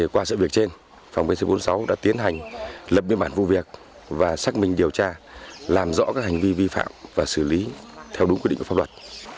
qua sự việc trên phòng pc bốn mươi sáu đã tiến hành lập biên bản vụ việc và xác minh điều tra làm rõ các hành vi vi phạm và xử lý theo đúng quy định của pháp luật